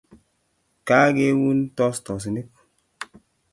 Kageun tostosinik